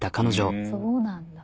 そうなんだ。